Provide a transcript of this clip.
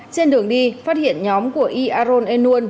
trên đường đi phát hiện nhóm của y aron enun